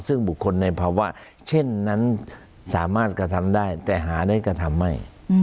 ซึ่งบุคคลในภาวะเช่นนั้นสามารถกระทำได้แต่หาได้กระทำไม่